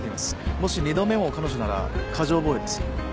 もし２度目も彼女なら過剰防衛です。